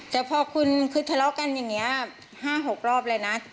แต่พอคุณคือทะเลาะกันอย่างนี้๕๖รอบเลยนะ